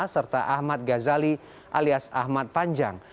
serta ahmad ghazali alias ahmad panjang